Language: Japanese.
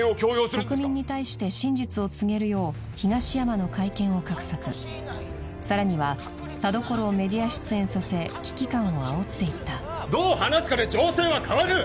国民に対して真実を告げるよう東山の会見を画策さらには田所をメディア出演させ危機感をあおっていったどう話すかで情勢は変わる！